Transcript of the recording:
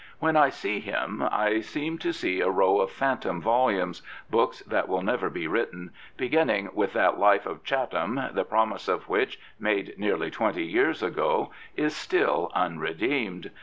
When I see him I seem to see a row of phShtom volumes — books that will never be written — beginning with that Life of Chatham, the promise of which, made nearly twenty years ago, is still unredeemed.